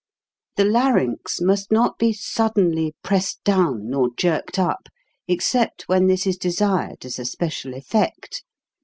The larynx must not be suddenly pressed down nor jerked up, except when this is de sired as a special effect.